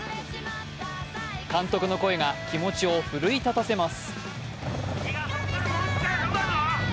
監督の声が気持ちを奮い立たせます。